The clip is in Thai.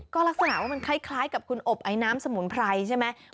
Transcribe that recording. ก็ลักษณะว่ามันคล้ายกับคุณอบไอ้น้ำสมุนไพรใช่ไหม